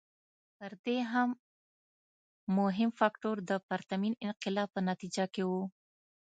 تر دې هم مهم فکټور د پرتمین انقلاب په نتیجه کې و.